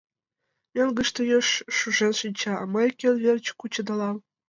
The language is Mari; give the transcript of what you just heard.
Мӧҥгыштӧ еш шужен шинча, а мый кӧн верч кучедалам?